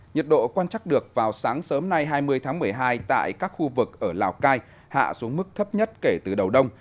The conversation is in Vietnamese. nhiệt độ quan trắc được vào sáng sớm nay hai mươi tháng một mươi hai tại các khu vực ở lào cai hạ xuống mức thấp nhất kể từ đầu đông